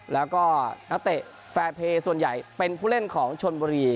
แล้วก็นักเตะแฟร์เพย์ส่วนใหญ่เป็นผู้เล่นของชนบุรี